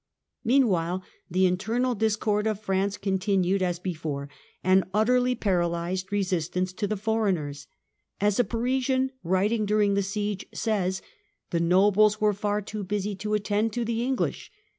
Meanwhile the internal discord of France continued as before and utterly paralysed resistance to the foreign ers: as a Parisian writing during the war says, "the nobles were far too busy to attend to the English